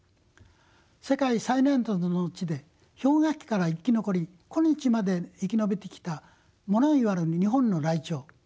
世界最南端の地で氷河期から生き残り今日まで生き延びてきた物言わぬ日本のライチョウ。